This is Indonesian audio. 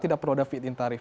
tidak perlu ada fit in tarif